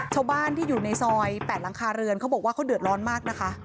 ชาวบ้านที่อยู่ในซอย๘หลังคาเรือนเขาบอกว่าเขาเดือดร้อนมากนะคะ